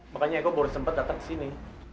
makanya aku baru sempat datang ke sini